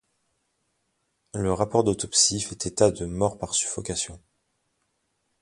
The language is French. Le rapport d'autopsie fait état de mort par suffocation.